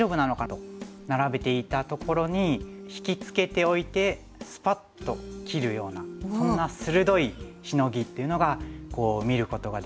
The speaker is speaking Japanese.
と並べていたところに引きつけておいてスパッと切るようなそんな鋭いシノギっていうのが見ることができるので。